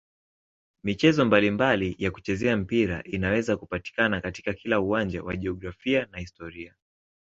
Michezo mbalimbali ya kuchezea mpira inaweza kupatikana katika kila uwanja wa jiografia na historia.